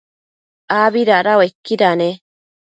abi dada uaiquida ne?